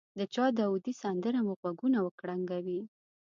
د چا داودي سندره مو غوږونه وکړنګوي.